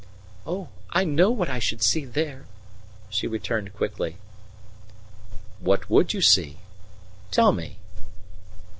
"Oh, I know what I should see there!" she returned quickly. "What would you see tell me?"